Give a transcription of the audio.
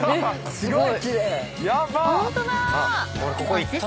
すごーい。